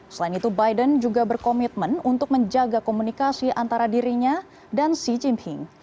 selain itu biden juga berkomitmen untuk menjaga komunikasi antara dirinya dan xi jinping